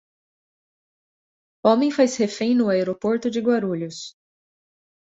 Homem faz refém no aeroporto de Guarulhos